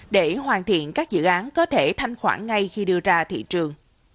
để hoàn thiện các dự án có thể thanh tạo